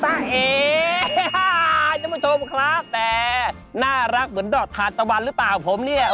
ท่านผู้ชมครับแต่น่ารักเหมือนดอกทานตะวันหรือเปล่าผมเนี่ย